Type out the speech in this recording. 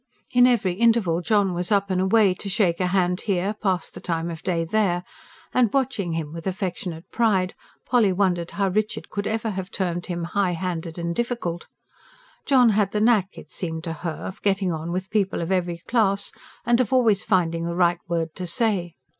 In every interval John was up and away, to shake a hand here, pass the time of day there; and watching him with affectionate pride, Polly wondered how Richard could ever have termed him "high handed and difficult." John had the knack, it seemed to her, of getting on with people of every class, and of always finding the right word to say.